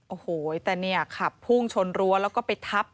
โอ้โหแต่เนี่ยขับพุ่งชนรั้วแล้วก็ไปทับ